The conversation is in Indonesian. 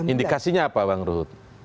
indikasinya apa bang rut